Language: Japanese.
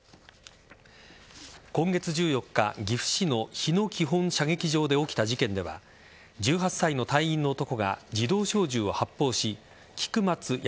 今月１４日、岐阜市の日野基本射撃場で起きた事件では１８歳の隊員の男が自動小銃を発砲し菊松安